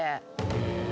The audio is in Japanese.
へえ！